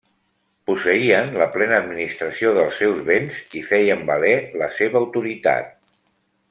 Posseïen la plena administració dels seus béns i feien valer la seva autoritat.